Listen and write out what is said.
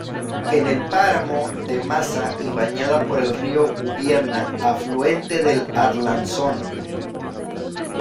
En el páramo de Masa y bañada por el río Ubierna, afluente del Arlanzón.